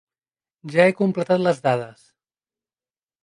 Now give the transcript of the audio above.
Ja he completat les dades.